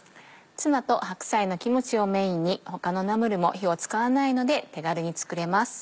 ツナと白菜のキムチをメインに他のナムルも火を使わないので手軽に作れます。